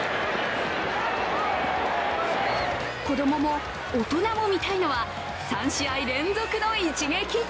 子供も大人も見たいのは３試合連続の一撃。